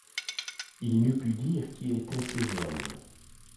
Il n’eût pu dire qui étaient ces hommes.